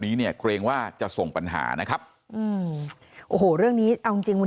นี้เนี่ยเกรงว่าจะส่งปัญหานะครับอืมโอ้โหเรื่องนี้เอาจริงจริงวัน